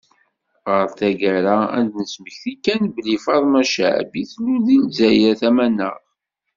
Ɣer taggara, ad d-nesmekti kan belli, Faṭma Caɛbi tlul deg Lezzayer Tamaneɣ.